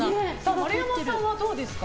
丸山さんはどうですか？